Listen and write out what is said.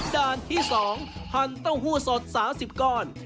ด้านที่๒หั่นเต้าหู้สด๓๐ก้อน